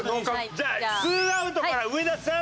じゃあ２アウトから上田さん